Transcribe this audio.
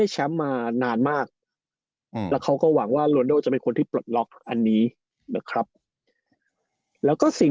สนามซ้อมนะครับยุ่ง